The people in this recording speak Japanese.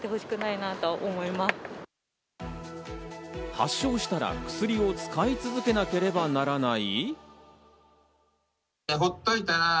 発症したら薬を使い続けなければならない？